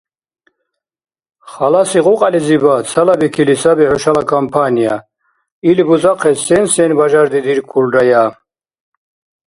Халаси кьукьялизибад цалабикили саби хӏушала компания. Ил бузахъес сен-сен бажардидиркулрая?